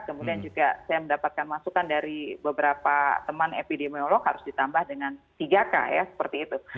kemudian juga saya mendapatkan masukan dari beberapa teman epidemiolog harus ditambah dengan tiga k ya seperti itu